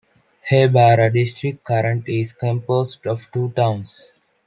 Haibara District current is composed of two towns.